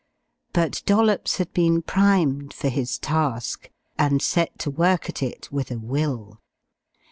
But Dollops had been primed for his task, and set to work at it with a will.